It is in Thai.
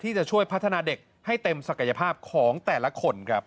จะช่วยพัฒนาเด็กให้เต็มศักยภาพของแต่ละคนครับ